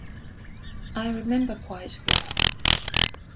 "I remember quite well."